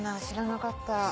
知らなかった。